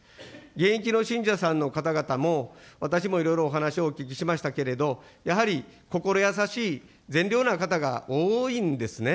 現役の信者さんの方々も私もいろいろお話をお聞きしましたけれども、やはり心優しい善良な方が多いんですね。